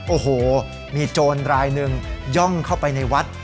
โอ้โหมีโจรรายหนึ่งย่องเข้าไปในวัด